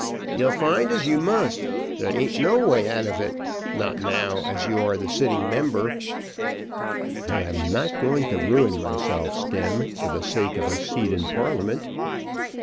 "You'll find as you must. There ain't no way out of it; not now as you are the sitting member." "I am not going to ruin myself, Stemm, for the sake of a seat in Parliament."